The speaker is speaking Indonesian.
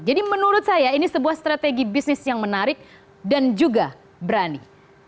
menurut saya ini sebuah strategi bisnis yang menarik dan juga berani